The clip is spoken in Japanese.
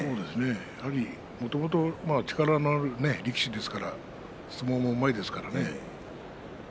やはりもともと力のある力士ですから相撲もうまいですからね。